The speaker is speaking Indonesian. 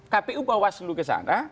kpu bawa selu ke sana